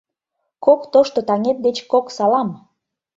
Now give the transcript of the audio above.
Кок тошто таҥет деч кок салам!